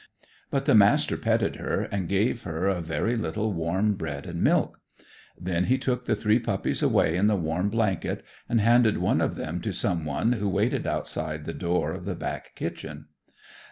But the Master petted her, and gave her a very little warm bread and milk. Then he took the three puppies away in the warm blanket and handed one of them to some one who waited outside the door of the back kitchen.